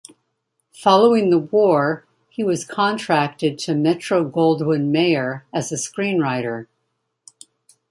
Following the war he was contracted to Metro-Goldwyn-Mayer as a screenwriter.